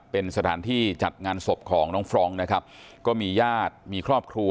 เป็นสถานที่จัดงานศพของน้องฟรองก็มียาดมีครอบครัว